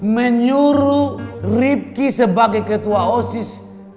menyuruh ripki sebagai ketua osis